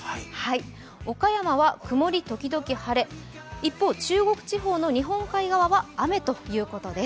岡山は曇り時々晴れ、一方、中国地方の日本海側は雨ということです。